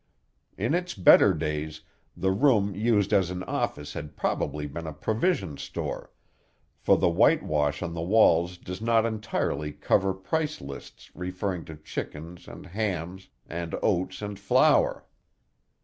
In its better days the room used as an office had probably been a provision store; for the whitewash on the walls does not entirely cover price lists referring to chickens and hams and oats and flour.